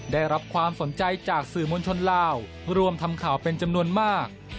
ได้รับความสนใจจากสื่อมวลชนลาวรวมทำข่าวเป็นจำนวนมาก